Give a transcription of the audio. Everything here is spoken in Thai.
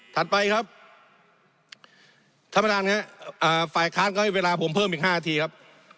ถัดไปครับฝ่ายค้านเขาให้เวลาผมเพิ่มอีก๕นาทีครับ